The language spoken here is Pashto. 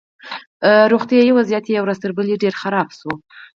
روغتیایي وضعیت یې ورځ تر بلې ډېر خراب شو